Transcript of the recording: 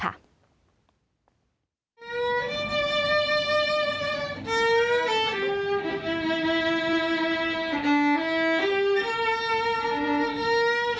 เพื่อให้มีการแชร์ไปในสังคมออนไลน์เป็นจำนวนมากค่ะ